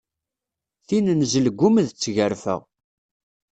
Tin n Zelgum d tgerfa.